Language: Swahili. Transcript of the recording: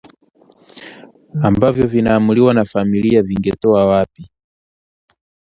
Ambavyo vinaamuliwa na familia ningetoa wapi?